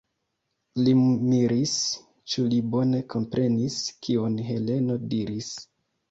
Li miris, ĉu li bone komprenis, kion Heleno diris.